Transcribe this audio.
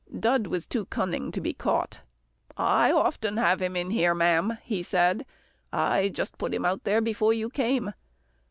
Dud was too cunning to be caught. "I often have him in here, ma'am," he said. "I just put him out there before you came."